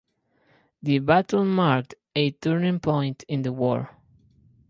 The battle marked a turning point in the war.